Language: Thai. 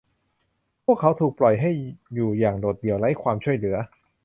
พวกเขาถูกปล่อยให้อยู่อย่างโดดเดี่ยวไร้ความช่วยเหลือ